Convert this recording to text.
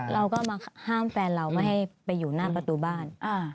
เราก็มาห้ามแฟนเราไม่ให้ไปอยู่หน้าประตูบ้าน